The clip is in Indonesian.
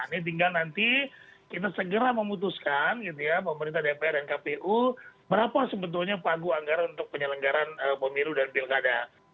ini tinggal nanti kita segera memutuskan gitu ya pemerintah dpr dan kpu berapa sebetulnya pagu anggaran untuk penyelenggaran pemilu dan pilkada